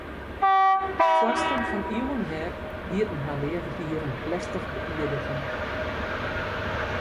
Foarsten fan iuwen her lieten har leave dieren plechtich beïerdigje.